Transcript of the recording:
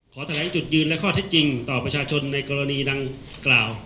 ขอแถลงจุดยืนและข้อเท็จจริงต่อประชาชนในกรณีดังกล่าว